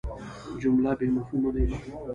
جمله بېمفهومه نه يي.